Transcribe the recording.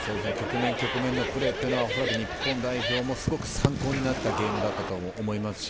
局面のプレーは日本代表もすごく参考になったゲームだと思います。